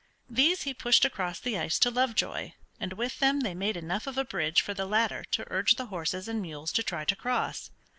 These he pushed across the ice to Lovejoy, and with them they made enough of a bridge for the latter to urge the horses and mules to try to cross.